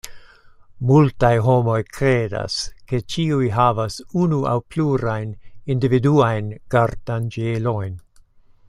Multaj homoj kredas, ke ĉiuj havas unu aŭ plurajn individuajn gardanĝelojn.